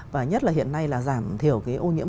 và nhất là hiện nay là giảm thiểu cái ô nhiễm